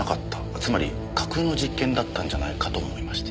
つまり架空の実験だったんじゃないかと思いまして。